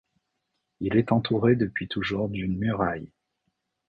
Il est entouré depuis toujours d’une muraille.